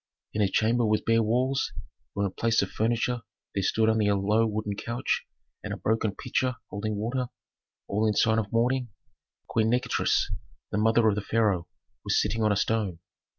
In a chamber with bare walls, where in place of furniture there stood only a low wooden couch and a broken pitcher holding water, all in sign of mourning, Queen Nikotris, the mother of the pharaoh, was sitting on a stone.